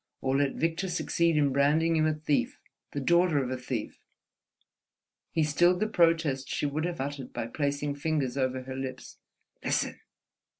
or let Victor succeed in branding you a thief, the daughter of a thief!" He stilled the protest she would have uttered by placing fingers over her lips. "Listen!"